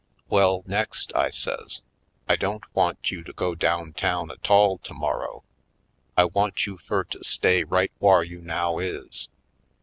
"Well, next," I says, "I don't want you to go down town a tall tomorrow. I want you fur to stay right whar you now is.